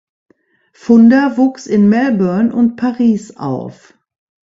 Funder wuchs in Melbourne und Paris auf.